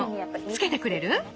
付けてくれる？